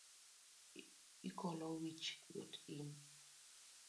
Ikolo wich kuot in.